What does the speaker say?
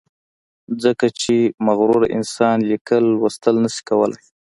ځکه چې معذوره انسان ليکل، لوستل نۀ شي کولی